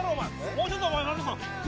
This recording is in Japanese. もうちょっとお前悔し